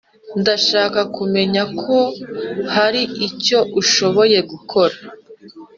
ndashaka kumenya ko hari icyo ushobora gukora,